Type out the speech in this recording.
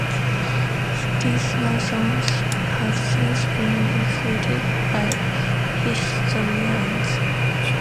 These notions have since been refuted by historians.